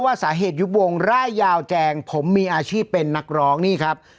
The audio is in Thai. ว่าสาเหตุยุบวงร่ายยาวแจงผมมีอาชีพเป็นนักร้องนี่ครับ